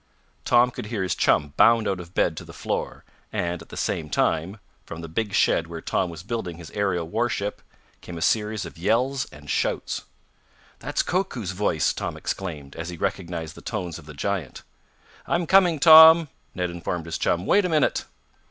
Tom could hear his chum bound out of bed to the floor, and, at the same time, from the big shed where Tom was building his aerial warship came a series of yells and shouts. "That's Koku's voice!" Tom exclaimed, as he recognized the tones of the giant. "I'm coming, Tom!" Ned informed his chum. "Wait a minute."